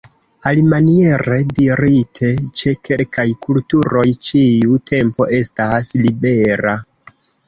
Alimaniere dirite ĉe kelkaj kulturoj ĉiu tempo estas libera.